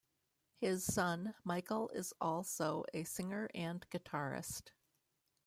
His son, Michael is also a singer and guitarist.